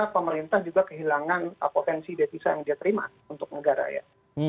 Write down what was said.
pemerintah juga kehilangan potensi devisa yang dia terima untuk negara ya